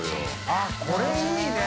あっこれいいね。